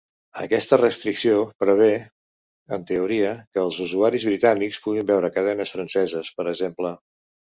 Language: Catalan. Aquesta restricció prevé, en teoria, que els usuaris britànics puguin veure cadenes franceses, per exemple.